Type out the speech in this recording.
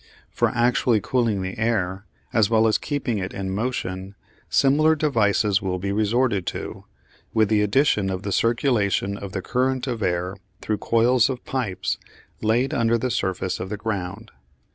For actually cooling the air, as well as keeping it in motion, similar devices will be resorted to, with the addition of the circulation of the current of air through coils of pipes laid under the surface of the ground.